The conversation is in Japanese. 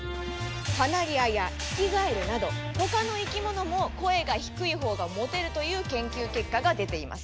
カナリアやヒキガエルなどほかの生き物も声が低い方がモテるという研究結果が出ています。